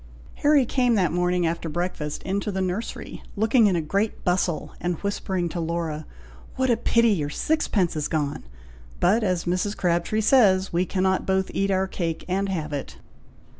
Harry came that morning after breakfast into the nursery, looking in a great bustle, and whispering to Laura, "What a pity your sixpence is gone! but as Mrs. Crabtree says, 'we cannot both eat our cake and have it!'"